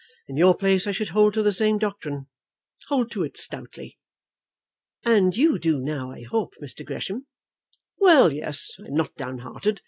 In your place I should hold to the same doctrine, hold to it stoutly." "And you do now, I hope, Mr. Gresham?" "Well, yes, I am not down hearted.